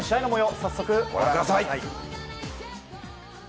早速ご覧ください。